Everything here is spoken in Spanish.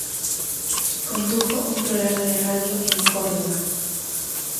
Condujo un programa de radio en Córdoba.